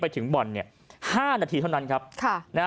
ไปถึงบ่น๕นาทีเท่านั้น